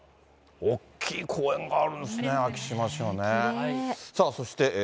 大きい公園があるんですね、昭島